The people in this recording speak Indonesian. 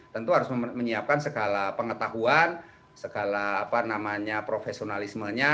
tentu harus menyiapkan segala pengetahuan segala profesionalismenya